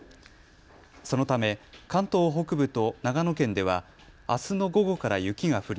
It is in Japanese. そのため関東北部と長野県ではあすの午後から雪が降り